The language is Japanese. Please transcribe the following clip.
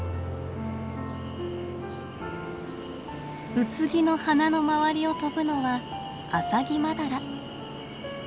ウツギの花の周りを飛ぶのはアサギマダラ。